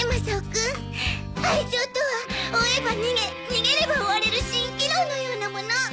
愛情とは追えば逃げ逃げれば追われる蜃気楼のようなもの。